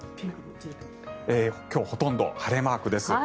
今日、ほとんど晴れマークです。